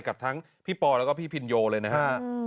กับทั้งพี่ปอแล้วก็พี่พินโยเลยนะฮะ